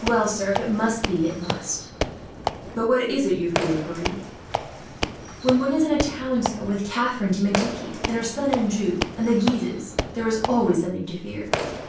"Well, sir, if it must be, it must." "But what is that you fear, Pierre?" "When one is in a town, sir, with Catharine de Medici, and her son Anjou, and the Guises, there is always something to fear.